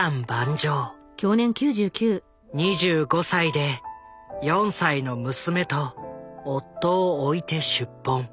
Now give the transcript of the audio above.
２５歳で４歳の娘と夫を置いて出奔。